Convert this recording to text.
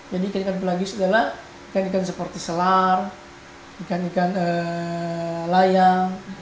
jadi ikan ikan pelagis adalah ikan ikan seperti selar ikan ikan layang